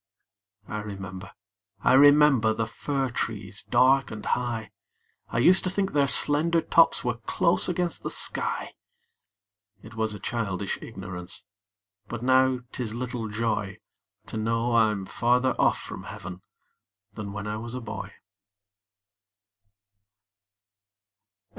I remember, I remember, The fir trees dark and high; I used to think their slender tops Were close against the sky: It was a childish ignorance, But now 'tis little joy To know I'm farther off from Heav'n Than when I was a boy.